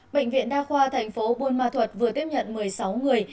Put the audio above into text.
bệnh viện đa khoa tp buôn ma thuật vừa tiếp nhận một mươi sáu người